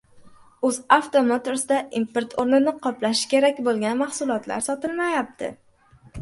UzAuto Motorsda import o‘rnini qoplashi kerak bo‘lgan mahsulotlar sotilmayapti